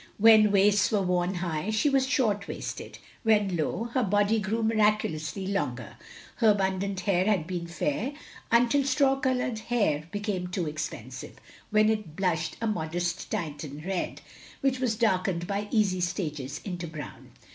When waists were worn high, she was short waisted; when low, her body grew miractilously longer. Her abundant hair had been fair, until straw colotired hair became too expressive, when it blushed a modest Titian red, which was dark ening by easy stages into brown.